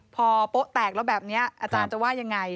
พอโป๊ะแตกแล้วแบบนี้อาจารย์จะว่ายังไง